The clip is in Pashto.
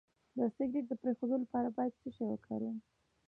د سګرټ د پرېښودو لپاره باید څه شی وکاروم؟